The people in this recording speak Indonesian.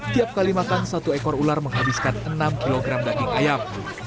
tiap kali makan satu ekor ular menghabiskan enam kg daging ayam